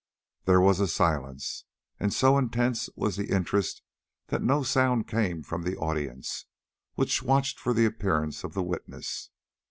There was a silence, and so intense was the interest that no sound came from the audience, which watched for the appearance of the witness.